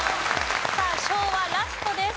さあ昭和ラストです。